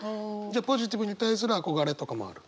ポジティブに対する憧れとかもある？